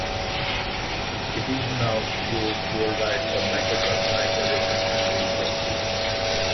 It is now used worldwide for mycoplasma isolation and research.